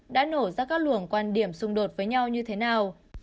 đã nổ ra các luồng quan điểm xung đột với nhau như thế nào